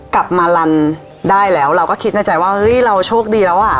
กลับมารันได้แล้วเราก็คิดในใจว่าเฮ้ยเราโชคดีแล้วอ่ะ